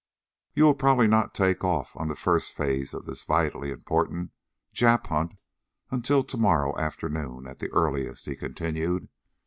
"You will probably not take off on the first phase of this vitally important Jap hunt until tomorrow afternoon, at the earliest," he continued.